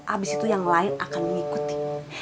abis itu yang lain akan mengikuti